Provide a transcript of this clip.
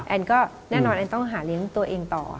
แอนก็แน่นอนแอนต้องหาเลี้ยงตัวเองต่อ